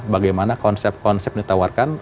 bagaimana konsep konsep ditawarkan